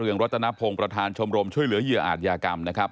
ใครจะใช้บริการค่ะกูเใชนเมินน่ากูเนี่ยข่าวของโรงแรมเนี่ย